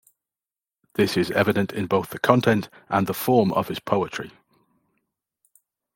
This is evident in both the content and the form of his poetry.